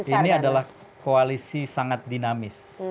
ini adalah koalisi sangat dinamis